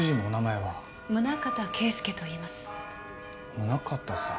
宗形さん？